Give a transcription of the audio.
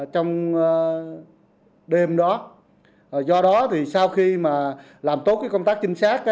trong đêm đó do đó thì sau khi mà làm tốt công tác chính xác